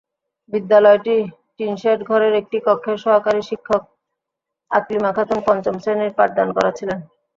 বিদ্যালয়টির tin shed ঘরের একটি কক্ষে সহকারী শিক্ষক আকলিমা খাতুন পঞ্চম শ্রেণির পাঠদান করাচ্ছিলেন।